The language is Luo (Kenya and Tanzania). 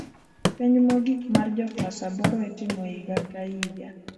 Penj mogik mar jo klas aboro itimo iga ka iga